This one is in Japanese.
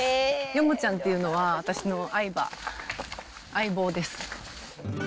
ヨモちゃんっていうのは、私の愛馬、相棒です。